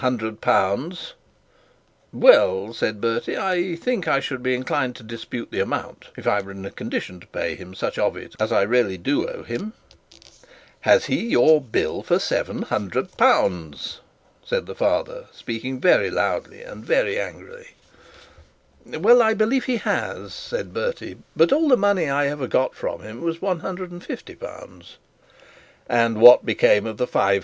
'Well,' said Bertie, 'I think I should be inclined to dispute the amount, if I were in a condition to pay him such of it as I really do owe him.' 'Has he your bill for L 700?' said the father, speaking very loudly and very angrily. 'Well, I believe he has,' said Bertie; 'but all the money I ever got from him was L 150.' 'And what became of the L 550?'